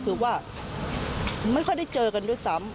คือว่าไม่ค่อยได้เจอกันด้วยซ้ำ